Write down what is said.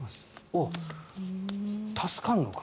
おっ、助かるのか。